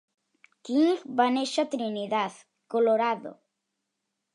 King va néixer a Trinidad, Colorado.